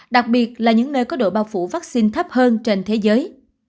đặc biệt là những nơi có độ bao phủ vaccine thấp hơn trên thế giới